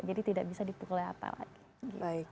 jadi tidak bisa diperlihatkan